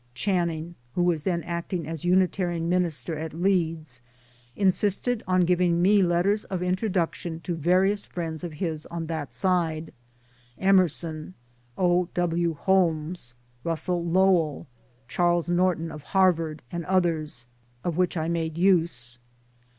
Channing, who was then acting as Unitarian Minister at Leeds, Insisted on giving me letters of introduction to various friends of his on that side Emerson, O. W. Holmes, Russell Lowell, Charles Norton of Harvard and others of which I made use.